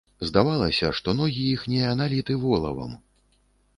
Здавалася, што ногі іхнія наліты волавам.